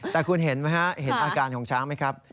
แต่คุณเห็นไหมฮะเห็นอาการของช้างไหมครับ